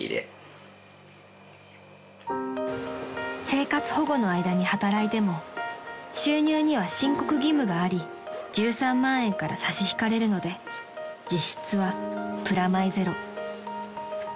［生活保護の間に働いても収入には申告義務があり１３万円から差し引かれるので実質はプラマイゼロ］